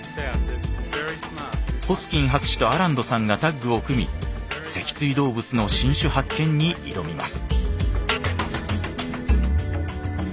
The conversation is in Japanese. ホスキン博士とアランドさんがタッグを組み脊椎動物の新種発見に挑みます。